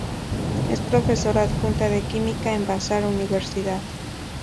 Es Profesora Adjunta de Química en Vassar Universidad.